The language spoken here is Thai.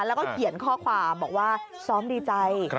แล้วก็เขียนข้อความบอกว่าซ้อมดีใจ